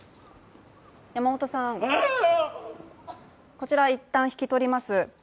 こちらいったん引き取ります。